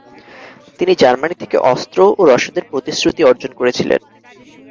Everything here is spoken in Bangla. তিনি জার্মানি থেকে অস্ত্র ও রসদের প্রতিশ্রুতি অর্জন করেছিলেন।